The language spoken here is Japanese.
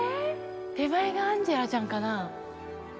手前がアンジェラちゃんかな。